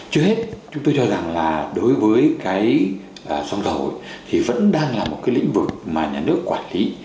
trước hết chúng tôi cho rằng là đối với cái xăng dầu thì vẫn đang là một cái lĩnh vực mà nhà nước quản lý